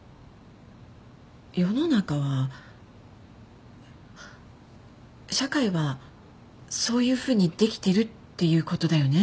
世の中は社会はそういうふうにできてるっていうことだよね。